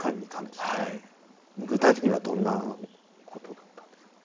具体的にはどんなことだったんですか？